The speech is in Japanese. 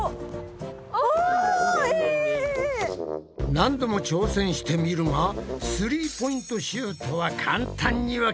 何度も挑戦してみるがスリーポイントシュートは簡単には決まらない。